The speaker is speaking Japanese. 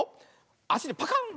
あしでパカン！